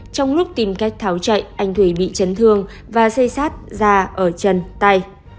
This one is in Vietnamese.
trong lúc tìm cách tháo chạy anh thủy bị chấn thương và xây xát ra ở chân tay